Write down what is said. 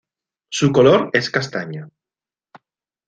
Su color es castaño.